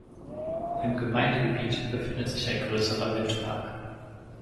Im Gemeindegebiet befindet sich ein größerer Windpark.